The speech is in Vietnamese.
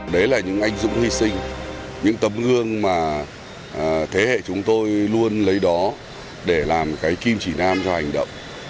đấy là những anh dũng hy sinh những tấm gương mà thế hệ chúng tôi luôn lấy đó để làm cái kim chỉ nam cho hành động